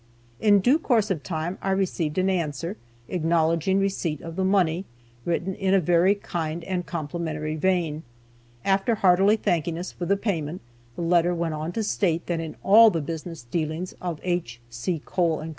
In due course of time I received an answer, acknowledging receipt of the money, written in a very kind and complimentary vein. After heartily thanking us for the payment, the letter went on to state that in all the business dealings of H. C. Cole & Co.